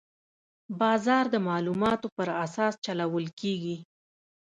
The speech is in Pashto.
بازار د معلوماتو پر اساس چلول کېږي.